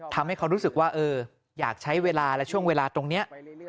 ทำให้เขารู้สึกว่าอยากใช้เวลาและช่วงเวลาตรงนี้